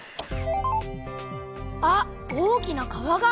あっ大きな川がある。